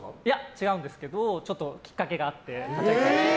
違うんですけどきっかけがあって。